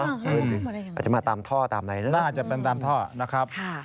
อาจจะมาตามท่อตามไหนน่าจะมาตามท่อนะครับ